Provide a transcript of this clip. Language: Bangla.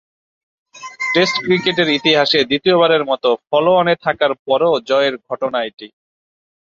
টেস্ট ক্রিকেটের ইতিহাসে দ্বিতীয়বারের মতো ফলো-অনে থাকার পরও জয়ের ঘটনা এটি।